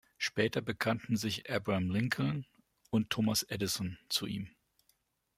Später bekannten sich Abraham Lincoln und Thomas Edison zu ihm.